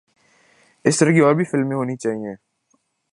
اس طرح کی اور بھی فلمیں ہونی چاہئے